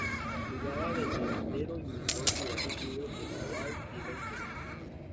Jugaba de delantero y militó en diversos clubes de Paraguay, Chile y Perú.